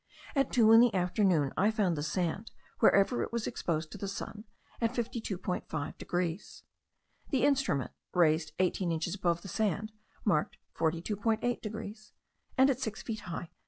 At two in the afternoon I found the sand, wherever it was exposed to the sun, at 52.5 degrees. The instrument, raised eighteen inches above the sand, marked 42.8 degrees, and at six feet high 38.